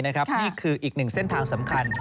นี่คืออีกหนึ่งเส้นทางสำคัญ